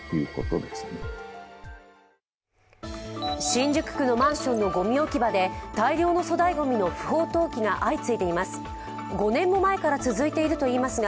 新宿区のマンションのごみ置き場で大量の粗大ごみの不法投棄が相次いでいます。